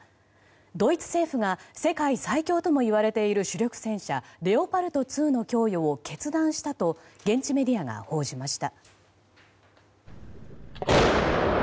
ドイツ政府が世界最強ともいわれている主力戦車レオパルト２の供与を決断したと現地メディアが報じました。